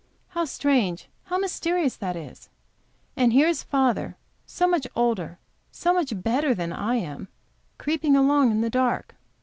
How strange, how mysterious that is! And here is father, so much older, so much better than I am, creeping along in the dark!